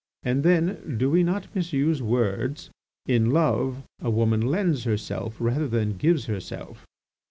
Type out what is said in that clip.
And then, do we not misuse words? In love, a woman lends herself rather than gives herself.